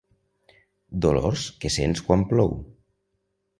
Dolors que sents quan plou.